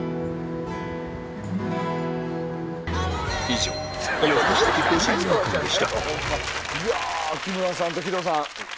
いや木村さんと木戸さん。